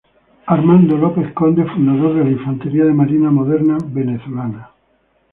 Armando López Conde, fundador de la Infantería de Marina Moderna venezolana.